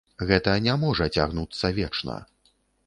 Гэта не можа цягнуцца вечна.